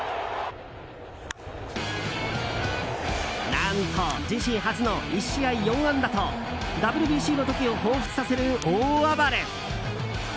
何と、自身初の１試合４安打とＷＢＣの時をほうふつとさせる大暴れ！